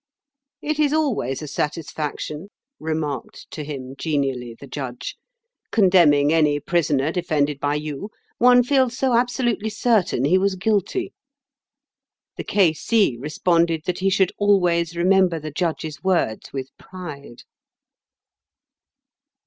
'It is always a satisfaction,' remarked to him genially the judge, 'condemning any prisoner defended by you. One feels so absolutely certain he was guilty.' The K. C. responded that he should always remember the judge's words with pride."